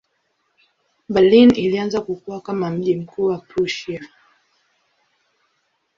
Berlin ilianza kukua kama mji mkuu wa Prussia.